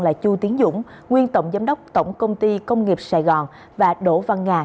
là chu tiến dũng nguyên tổng giám đốc tổng công ty công nghiệp sài gòn và đỗ văn nga